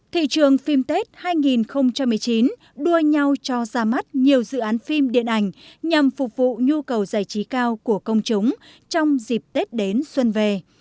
thị trường phim tết hai nghìn một mươi chín đua nhau cho ra mắt nhiều dự án phim điện ảnh nhằm phục vụ nhu cầu giải trí cao của công chúng trong dịp tết đến xuân về